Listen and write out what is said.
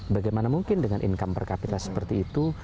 bagaimana mungkin dengan income per capita seperti itu